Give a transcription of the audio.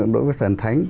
đối với thần thánh